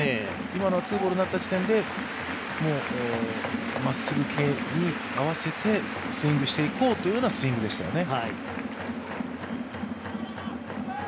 今のはツーボールになった時点でもうまっすぐ系に合わせてスイングしていこうというようなスイングでしたよね。